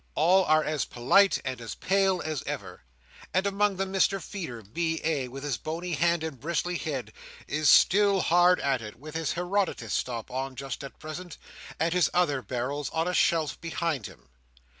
All are as polite and as pale as ever; and among them, Mr Feeder, B.A., with his bony hand and bristly head, is still hard at it; with his Herodotus stop on just at present, and his other barrels on a shelf behind him.